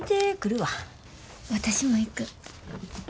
私も行く。